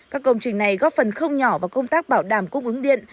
các công trình này góp phần không nhỏ vào công tác bảo đảm cung ứng điện